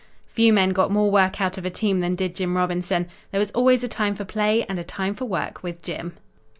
Few men got more work out of a team than did Jim Robinson. There was always a time for play and a time for work with Jim.